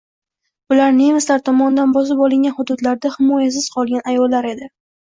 Bular nemislar tomonidan bosib olingan hududlarda himoyasiz qolgan ayollar edi